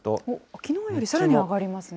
きのうよりさらに上がりますね。